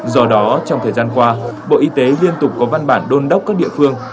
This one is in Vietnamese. do đó trong thời gian qua bộ y tế liên tục có văn bản đôn đốc các địa phương